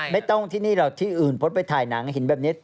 ไม่ต้องที่นี่หรอกที่อื่นเพราะไปถ่ายหนังเห็นแบบนี้